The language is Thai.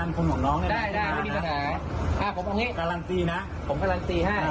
ผมก็รันสีให้